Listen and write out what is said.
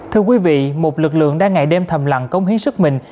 thưa quý vị một lực lượng đang ngày đêm thầm lặng công hiến sức mình